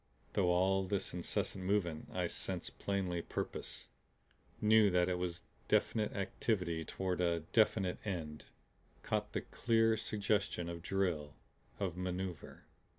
Through all this incessant movement I sensed plainly purpose, knew that it was definite activity toward a definite end, caught the clear suggestion of drill, of maneuver.